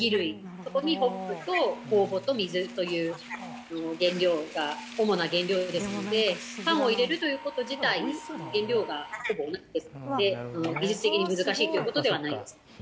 そこにホップと酵母と水という原料が主な原料ですので、パンを入れるということ自体、原料がほぼ同じですので、技術的に難しいということではないです。